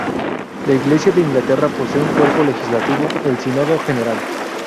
La Iglesia de Inglaterra posee un cuerpo legislativo, el Sínodo General.